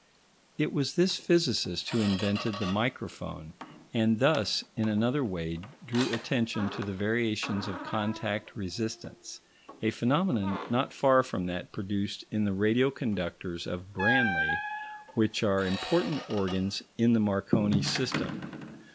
It was this physicist who invented the microphone, and thus, in another way, drew attention to the variations of contact resistance, a phenomenon not far from that produced in the radio conductors of Branly, which are important organs in the Marconi system.